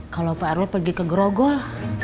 kalau pak rw pergi kegerogol